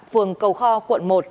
phường cầu kho quận một